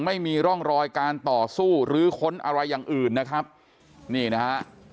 ไม่มีร่องรอยการต่อสู้หรือค้นอะไรอย่างอื่นนะครับนี่นะฮะ